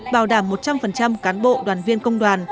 bảo đảm một trăm linh cán bộ đoàn viên công đoàn